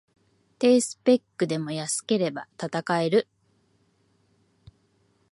低スペックでも安ければ戦える